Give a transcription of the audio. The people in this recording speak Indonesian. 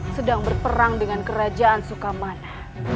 sedang berperang dengan kerajaan sukamana